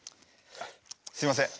すいません。